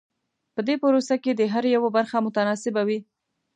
په دې پروسه کې د هر یوه برخه متناسبه وي.